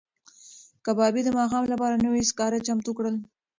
کبابي د ماښام لپاره نوي سکاره چمتو کړل.